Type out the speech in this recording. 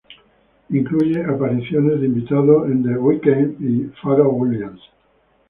Incluye apariciones de invitados de The Weeknd y Pharrell Williams.